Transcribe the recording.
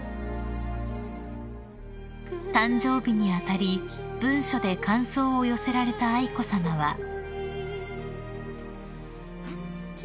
［誕生日に当たり文書で感想を寄せられた愛子さまは］